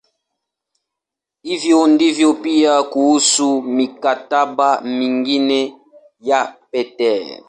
Hivyo ndivyo pia kuhusu "mikataba" mingine ya Peters.